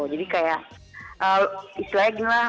jadi kayak istilahnya ginilah